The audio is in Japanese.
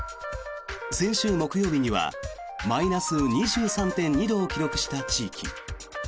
先週木曜日にはマイナス２３．２度を記録した地域。